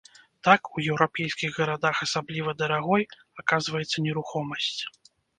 Так, у еўрапейскіх гарадах асабліва дарагой аказваецца нерухомасць.